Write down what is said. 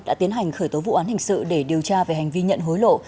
đã tiến hành khởi tố vụ án hình sự để điều tra về hành vi nhận hối lộ